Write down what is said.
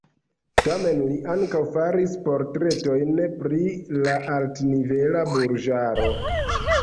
Tamen, li ankaŭ faris portretojn pri la altnivela burĝaro.